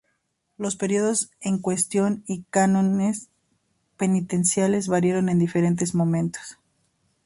Los períodos en cuestión y cánones penitenciales variaron en diferentes momentos.